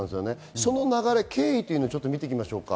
その流れを見ていきましょうか。